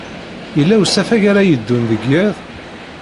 Yella usafag ara yeddun deg yiḍ?